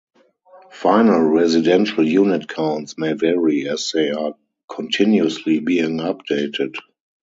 Final residential unit counts may vary as they are continuously being updated.